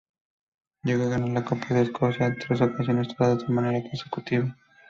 Llegó a ganar la Copa de Escocia en tres ocasiones, todas de manera consecutiva.